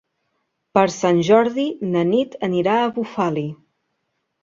Per Sant Jordi na Nit anirà a Bufali.